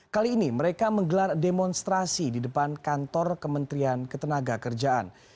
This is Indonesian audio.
kali ini mereka menggelar demonstrasi di depan kantor kementerian ketenaga kerjaan